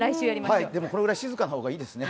でも、このぐらい静かな方がいいですね。